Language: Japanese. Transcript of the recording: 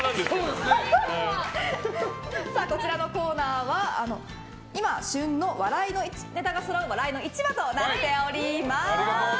こちらのコーナーは今旬の笑いのネタがそろう笑いの市場となっております。